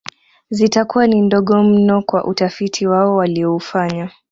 Zitakuwa ni ndogo mno kwa utafiti wao walioufanya